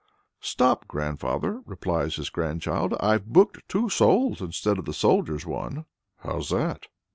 "Stop, grandfather!" replies his grandchild. "I've booked two souls instead of the soldier's one." "How's that?"